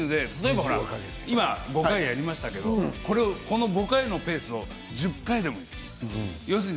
今５回やりましたけど、これを５回のペースを１０回でもいいです。